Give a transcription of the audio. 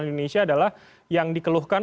indonesia adalah yang dikeluhkan